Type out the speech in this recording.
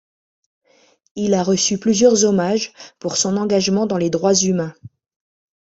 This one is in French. Il a reçu plusieurs hommages pour son engagement dans les droits humains.